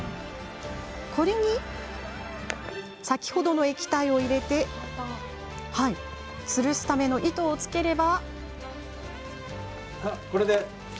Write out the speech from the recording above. これに先ほどの液体を入れてつるすための糸をつければ。